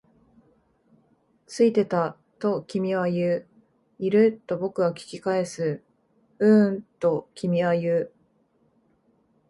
ついてた、と君は言う。いる？と僕は聞き返す。ううん、と君は言う。